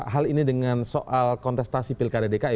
hal ini dengan soal kontestasi pilkada dki